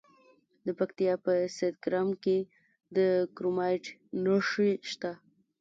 د پکتیا په سید کرم کې د کرومایټ نښې شته.